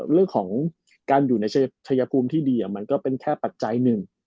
เรื่องของการอยู่ในชายภูมิที่ดีมันก็เป็นแค่ปัจจัยหนึ่ง